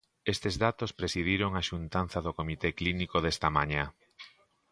Estes datos presidiron a xuntanza do comité clínico desta mañá.